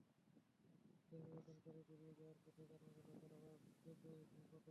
শ্রদ্ধা নিবেদন করে বেরিয়ে যাওয়ার পথে জানা গেল, তাঁরা বেদে সম্প্রদায়ের।